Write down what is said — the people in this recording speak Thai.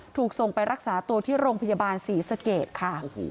ถูกส่งไปรักษาตัวที่โรงพยาบาลศรีสเกตค่ะ